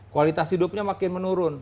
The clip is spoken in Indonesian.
kualitas hidupnya makin menurun